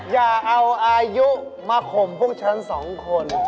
อย่าเอาอายุมาข่มพวกฉันสองคน